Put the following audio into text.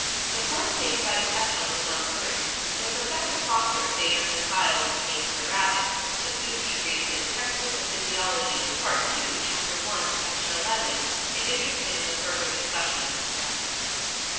The course taken by the peptones is uncertain, but Professor Foster favours the chyle in the case of the rabbit the student should read his Text book of Physiology, Part 2, Chapter 1, Section 11, if interested in the further discussion of this question.